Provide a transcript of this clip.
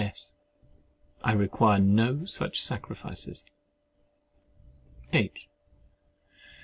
S. I require no such sacrifices. H.